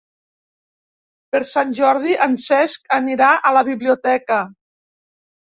Per Sant Jordi en Cesc anirà a la biblioteca.